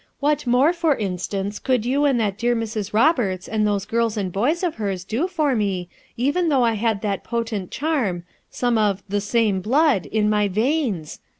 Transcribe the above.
What more, for instance, could you aad that dear Mrs. Roberts and tho.se girla and boys of hers do for me, even though I had that potent charm, some of 'the same blood 1 in my veins?